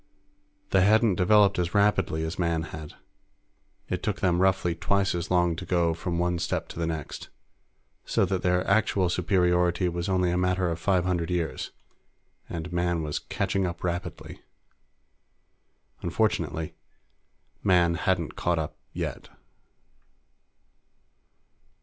They hadn't developed as rapidly as Man had. It took them roughly twice as long to go from one step to the next, so that their actual superiority was only a matter of five hundred years, and Man was catching up rapidly. Unfortunately, Man hadn't caught up yet.